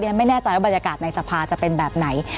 ฉันไม่แน่ใจว่าบรรยากาศในสภาจะเป็นแบบไหน